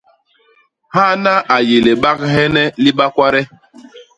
Hana a yé libaghene li bakwade.